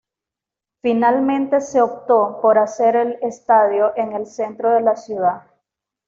Finalmente se optó por hacer el estadio en el centro de la ciudad.